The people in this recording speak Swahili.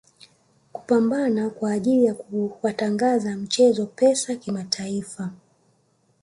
Kupambana kwa ajili ya kuwatangaza mchezo Pesa kimataifa